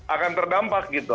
akan terdampak gitu